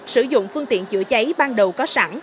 sử dụng phương tiện chữa cháy ban đầu có sẵn